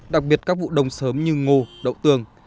đặc biệt các vụ đông sớm như ngô đậu tường